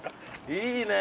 いいね。